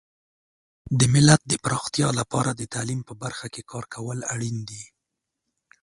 د ملت د پراختیا لپاره د تعلیم په برخه کې کار کول اړین دي.